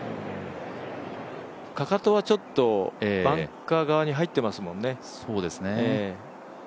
かかとはちょっとバンカー側に入ってますもんね。